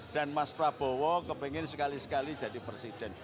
dan mas prabowo kepingin sekali sekali jadi presiden